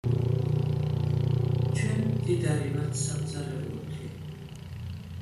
ჩვენ მდიდარი ვართ სამზარეულოთი